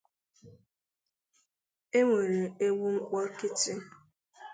E nwere egwu nkpọkịtị